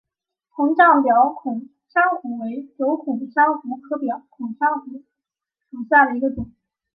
膨胀表孔珊瑚为轴孔珊瑚科表孔珊瑚属下的一个种。